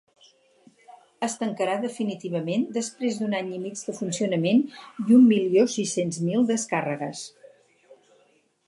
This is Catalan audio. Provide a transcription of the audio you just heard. Es tancarà definitivament després d’un any i mig de funcionament i un milió sis-cents mil descàrregues.